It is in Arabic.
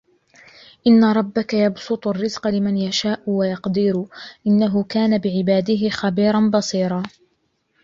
إِنَّ رَبَّكَ يَبْسُطُ الرِّزْقَ لِمَنْ يَشَاءُ وَيَقْدِرُ إِنَّهُ كَانَ بِعِبَادِهِ خَبِيرًا بَصِيرًا